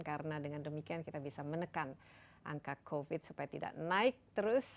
karena dengan demikian kita bisa menekan angka covid supaya tidak naik terus